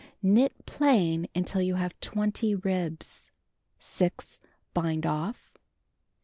Knit plain until you have 20 ribs. 0. Bind off.